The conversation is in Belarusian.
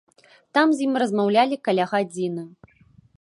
Там з ім размаўлялі каля гадзіны.